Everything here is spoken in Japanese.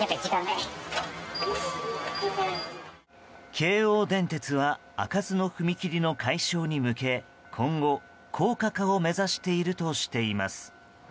京王電鉄は開かずの踏切の解消に向け今後、高架化を目指しているとしています。